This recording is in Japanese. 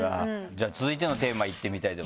じゃあ続いてのテーマいってみたいと思います。